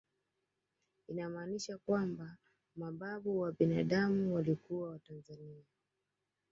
Inamaanisha kwamba mababu wa binadamu walikuwa watanzania